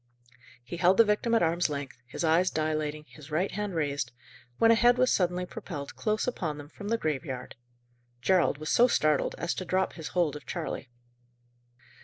He held the victim at arm's length, his eyes dilating, his right hand raised, when a head was suddenly propelled close upon them from the graveyard. Gerald was so startled as to drop his hold of Charley.